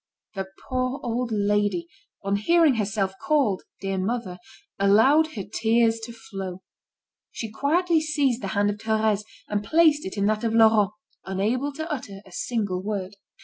The poor old lady, on hearing herself called "dear mother," allowed her tears to flow. She quietly seized the hand of Thérèse and placed it in that of Laurent, unable to utter a single word.